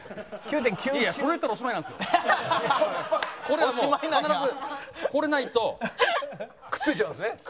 これは必ずこれないとくっついちゃうんです。